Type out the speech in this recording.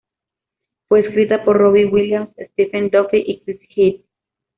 Fue escrita por Robbie Williams, Stephen Duffy, y Chris Heath.